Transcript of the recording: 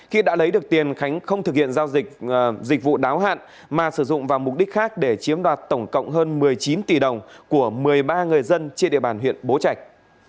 khi đã lấy được tiền khánh không thực hiện giao dịch vụ đáo hạn mà sử dụng vào mục đích khác để chiếm đoạt tổng cộng hơn một mươi chín tỷ đồng của một mươi ba người dân trên địa bàn huyện bố trạch